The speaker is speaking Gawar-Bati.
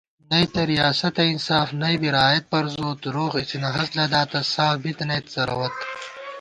نئ تہ ریاسَتہ انصاف نئ بی رایَت پروزوت * روغ اِڅِنہ ہست لداتہ ساف بِتَنَئیت څرَووت